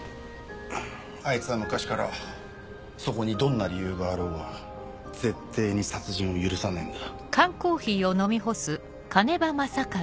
あいつは昔からそこにどんな理由があろうがぜってぇに殺人を許さねえんだ。